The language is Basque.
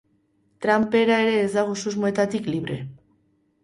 Trump bera ere ez dago susmoetatik libre.